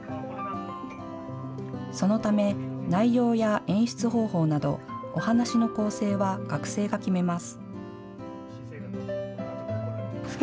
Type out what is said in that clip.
そのため、内容や演出方法などお話の構成は学生が決めます。